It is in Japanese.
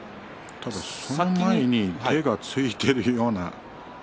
ただ、その前に先に手がついているような。